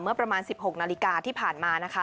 เมื่อประมาณ๑๖นาฬิกาที่ผ่านมานะคะ